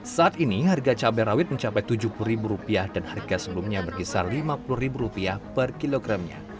saat ini harga cabai rawit mencapai rp tujuh puluh dan harga sebelumnya berkisar rp lima puluh per kilogramnya